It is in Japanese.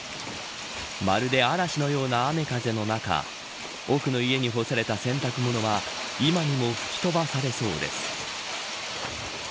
まるで嵐のような雨風の中奥の家に干された洗濯物は今にも吹き飛ばされそうです。